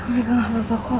meka gak apa apa kok